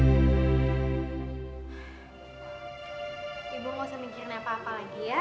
ibu jangan berpikir pikir apa apa lagi ya